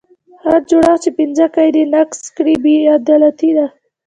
هر جوړښت چې پنځه قاعدې نقض کړي بې عدالتي ده.